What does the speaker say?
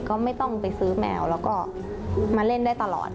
ก็ไม่ต้องไปซื้อแมวแล้วก็มาเล่นได้ตลอด